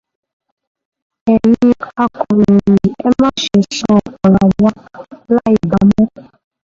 Ẹ̀yin akọ̀ròyìn, ẹ má se sọ ọ̀rọ̀ wa láìdáa mọ́